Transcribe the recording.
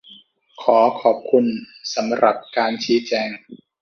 ขอขอบคุณสำหรับการชี้แจง !